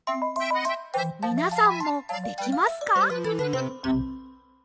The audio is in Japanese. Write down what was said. みなさんもできますか？